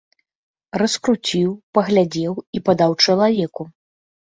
Раскруціў, паглядзеў і падаў чалавеку.